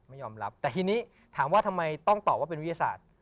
ไม่ยอมรับแต่ทีนี้ถามว่าทำไมต้องตอบว่าเป็นวิทยาศาสตร์